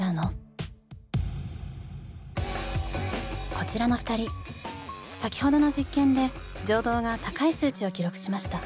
こちらの２人先ほどの実験で情動が高い数値を記録しました。